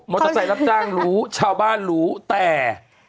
เตอร์ไซค์รับจ้างรู้ชาวบ้านรู้แต่